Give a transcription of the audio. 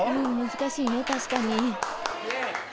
難しいね確かに。